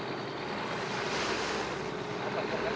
สวัสดีครับคุณผู้ชาย